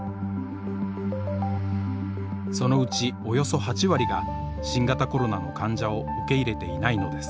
そのうちおよそ８割が新型コロナの患者を受け入れていないのです。